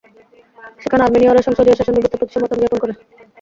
সেখানে আর্মেনীয়রা সংসদীয় শাসনব্যবস্থার প্রতি সমর্থন জ্ঞাপন করেন।